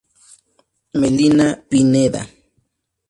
Melina Pineda.